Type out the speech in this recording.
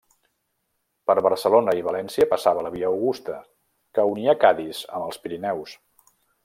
Per Barcelona i València passava la via Augusta, que unia Cadis amb els Pirineus.